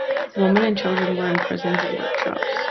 Women and children were in prisons and workshops.